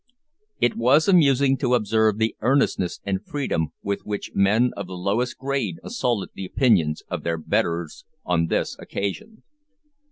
It was amusing to observe the earnestness and freedom with which men of the lowest grade assaulted the opinions of their betters on this occasion.